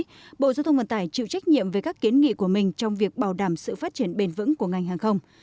trước đó bộ giao thông vận tải chịu trách nhiệm về các kiến nghị của mình trong việc bảo đảm sự phát triển bền vững của ngành hàng không